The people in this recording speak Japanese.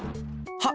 はっ！